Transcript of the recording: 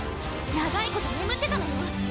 長いこと眠ってたのよ！